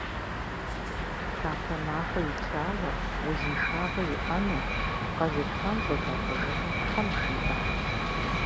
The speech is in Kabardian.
Лъапэ махуэ ичауэ, узыншагъэ иӀэну, къэзылъхуам зэдапӀыжыну Тхьэм жиӀэ!